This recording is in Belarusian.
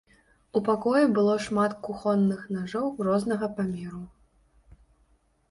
У пакоі было шмат кухонных нажоў рознага памеру.